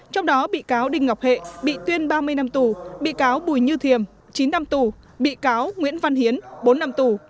trong đó bị cáo đinh ngọc hệ bị tuyên ba mươi năm tù bị cáo bùi như thiềm chín năm tù bị cáo nguyễn văn hiến bốn năm tù